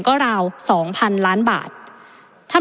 ประเทศอื่นซื้อในราคาประเทศอื่น